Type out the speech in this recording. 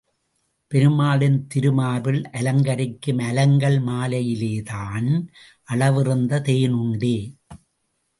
பெருமாளின் திருமார்பில் அலங்கரிக்கும் அலங்கல் மாலையிலேதான் அளவிறந்த தேன் உண்டே.